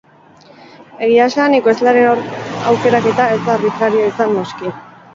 Egia esan, ekoizlearen aukeraketa ez da arbitrarioa izan, noski.